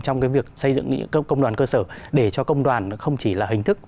trong cái việc xây dựng công đoàn cơ sở để cho công đoàn không chỉ là hình thức